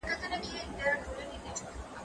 ايا ته تمرين کوې،